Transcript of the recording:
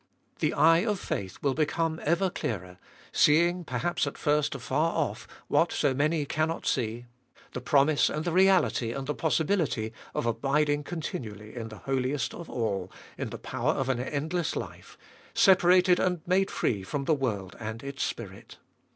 The eye of faith will become ever clearer, seeing perhaps at first, afar off, what so many cannot see — the promise and the reality and the possibility of abiding continually in the Holiest of All in the power of an endless life, separated and made free from the world and its spirit.